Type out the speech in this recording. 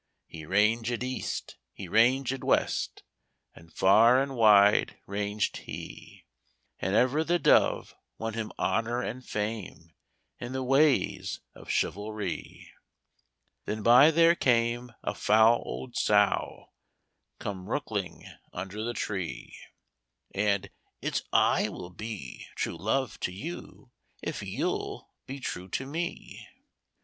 He ranged east, he ranged west, And far and wide ranged he And ever the dove won him honour and fame In the ways of chivalrie. Then by there came a foul old sow, Came rookling under the tree; And 'It's I will be true love to you, If you'll be true to me.'